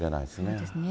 そうですね。